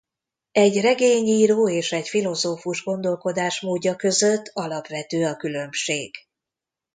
Egy regényíró és egy filozófus gondolkodásmódja között alapvető a különbség.